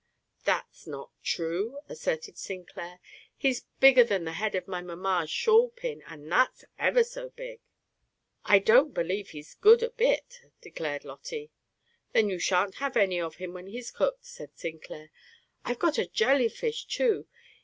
"That's not true," asserted Sinclair: "he's bigger than the head of my mamma's shawl pin, and that's ever so big." "I don't believe he's good a bit," declared Lotty. "Then you shan't have any of him when he's cooked," said Sinclair. "I've got a jelly fish, too.